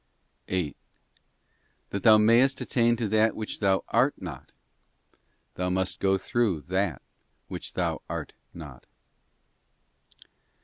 8. That thou mayest attain to that which thou art not, thou must go through that which thou art not.